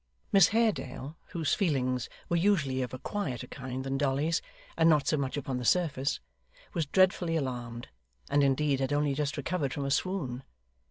Miss Haredale, whose feelings were usually of a quieter kind than Dolly's, and not so much upon the surface, was dreadfully alarmed, and indeed had only just recovered from a swoon.